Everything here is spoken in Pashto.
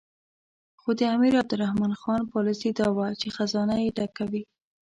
خو د امیر عبدالرحمن خان پالیسي دا وه چې خزانه یې ډکه وي.